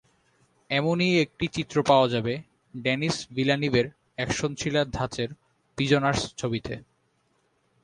এমনই একটি চিত্র পাওয়া যাবে ডেনিস ভিলেনিভের অ্যাকশন থ্রিলার ধাঁচের প্রিজনারস ছবিতে।